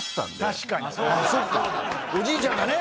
おじいちゃんがね！